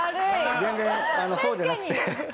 全然そうじゃなくて。